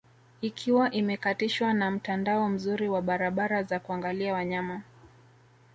Ikiwa imekatishwa na mtandao mzuri wa barabara za kuangalia wanyama